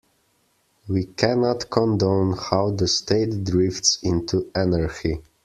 We cannot condone how the state drifts into anarchy.